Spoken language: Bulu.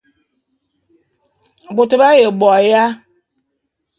Bôt b'aye bo aya?